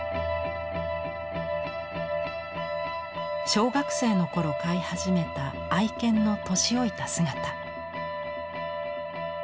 小学生の頃飼い始めた愛犬の年老いた姿。